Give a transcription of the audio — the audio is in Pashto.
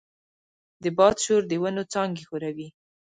د باد شور د ونو څانګې ښوروي.